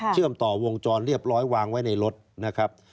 ต่อวงจรเรียบร้อยวางไว้ในรถนะครับ